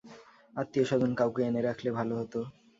আত্নীয়স্বজন কাউকে এনে রাখলে ভালো হত।